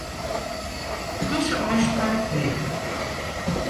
Dizze ôfspraak wegerje.